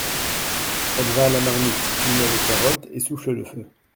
Elle va à la marmite, y met les carottes et souffle le feu.